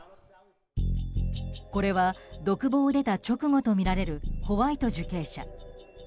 これは独房を出た直後とみられるホワイト受刑者。